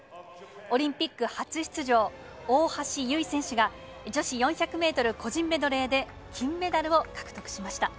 オリンピック初出場、大橋悠依選手が、女子４００メートル個人メドレーで、金メダルを獲得しました。